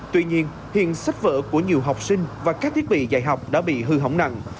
tuy nhiên hiện sách vở của nhiều học sinh và các thiết bị dạy học đã bị hư hỏng nặng